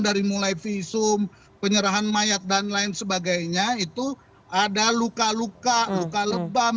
dari mulai visum penyerahan mayat dan lain sebagainya itu ada luka luka luka lebam